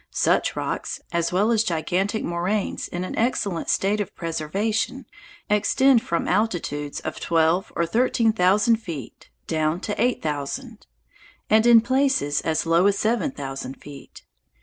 Such rocks, as well as gigantic moraines in an excellent state of preservation, extend from altitudes of twelve or thirteen thousand feet down to eight thousand, and in places as low as seven thousand feet.